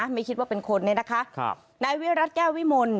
ไม่คิดว่าเป็นคนเนี่ยนะคะครับนายวิรัติแก้ววิมล